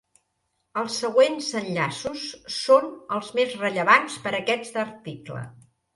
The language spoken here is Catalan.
Els següents enllaços són els més rellevants per a aquest article.